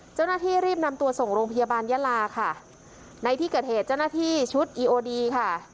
เจ้าหน้าที่รีบนำตัวส่งโรงพยาบาลยาลาค่ะในที่เกิดเหตุเจ้าหน้าที่ชุดอีโอดีค่ะ